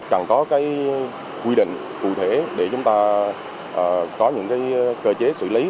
cần có cái quy định cụ thể để chúng ta có những cái cơ chế xử lý